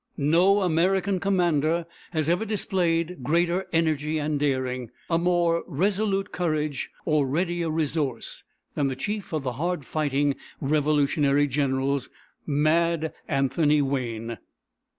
No American commander has ever displayed greater energy and daring, a more resolute courage, or readier resource, than the chief of the hard fighting Revolutionary generals, Mad Anthony Wayne.